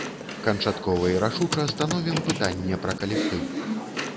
Канчаткова і рашуча становім пытанне пра калектыў.